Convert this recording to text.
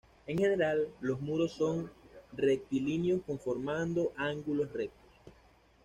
En general, los muros son rectilíneos conformando ángulos rectos.